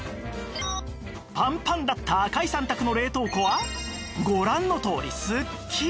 パンパンだった赤井さん宅の冷凍庫はご覧のとおりすっきり！